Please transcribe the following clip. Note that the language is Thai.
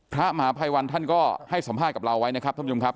พระมหาภัยวันท่านก็ให้สัมภาษณ์กับเราไว้นะครับท่านผู้ชมครับ